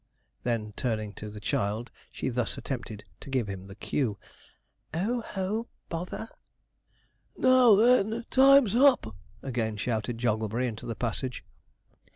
Then turning to the child, she thus attempted to give him the cue. 'O, ho! bother ' 'Now, then! time's hup!' again shouted Jogglebury into the passage.